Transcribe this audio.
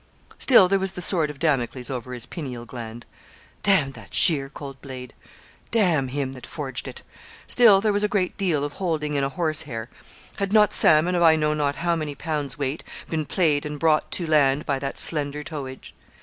Still there was the sword of Damocles over his pineal gland. D that sheer, cold blade! D him that forged it! Still there was a great deal of holding in a horse hair. Had not salmon, of I know not how many pounds' weight, been played and brought to land by that slender towage.